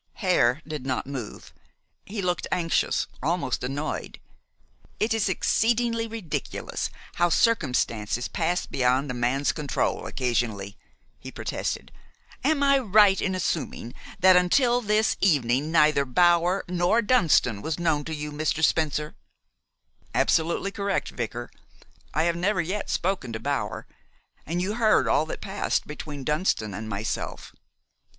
Hare did not move. He looked anxious, almost annoyed. "It is exceedingly ridiculous how circumstances pass beyond a man's control occasionally," he protested. "Am I right in assuming that until this evening neither Bower nor Dunston was known to you, Mr. Spencer?" "Absolutely correct, vicar. I have never yet spoken to Bower, and you heard all that passed between Dunston and myself."